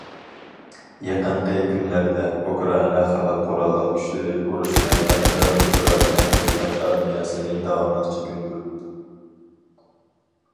يېقىنقى كۈنلەردە، ئۇكرائىنا خەلق قوراللىق كۈچلىرى ئۇرۇش مەيدانىدا ئۇكرائىنا ھۆكۈمەت ئارمىيەسىنى داۋاملىق چېكىندۈرۈپ.